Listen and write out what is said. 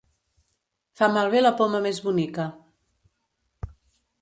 Fa malbé la poma més bonica.